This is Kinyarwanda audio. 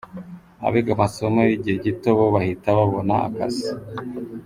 Abiga amasomo y’igihe gito bo bahita babona akazi.